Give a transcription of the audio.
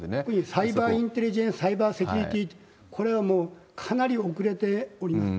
サイバーインテリジェンス、サイバーセキュリティーと、これはもうかなり遅れております。